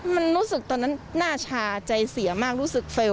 มันรู้สึกตอนนั้นหน้าชาใจเสียมากรู้สึกเฟลล